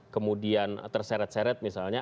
kemudian terseret seret misalnya